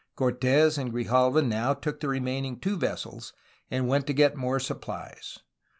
Cortes and Grijalva now took the remaining two vessels, and went to get more supplies.